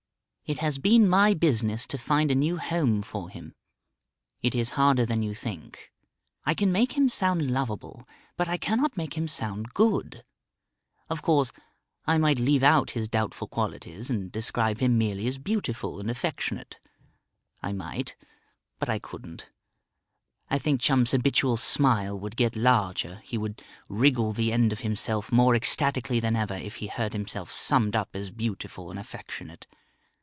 It has been my business to find a new home for him. It is harder than you think. I can make him sound lovable, but I cannot make him sound good. Of course I might leave out his doubtful qualities, and describe him merely as beautiful and affectionate; I might ... but I couldn't. I think Chum's habitual smile would get larger, he would wriggle the end of himself more ecstatically than ever if he heard himself summed up as beautiful and affectionate.